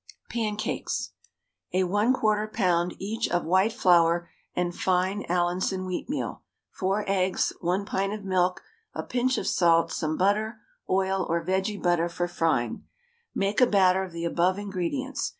PANCAKES. A 1/4 lb. each of white flour and fine Allinson wheatmeal, 4 eggs, 1 pint of milk, a pinch of salt, some butter, oil, or vege butter for frying. Make a batter of the above ingredients.